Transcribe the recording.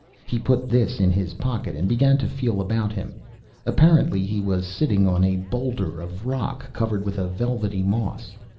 He put this in his pocket, and began to feel about him. Apparently he was sitting on a boulder of rock covered with a velvety moss.